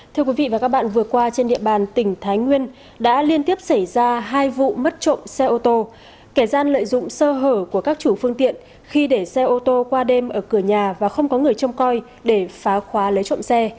thưa quý vị và các bạn vừa qua trên địa bàn tỉnh thái nguyên đã liên tiếp xảy ra hai vụ mất trộm xe ô tô kẻ gian lợi dụng sơ hở của các chủ phương tiện khi để xe ô tô qua đêm ở cửa nhà và không có người trông coi để phá khóa lấy trộm xe